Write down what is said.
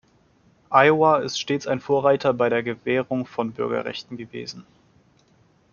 Iowa ist stets ein Vorreiter bei der Gewährung von Bürgerrechten gewesen.